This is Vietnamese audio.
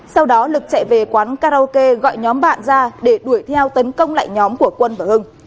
sau đó lực chạy về quán karaoke gọi nhóm bạn ra để đuổi theo tấn công lại nhóm của quân và hưng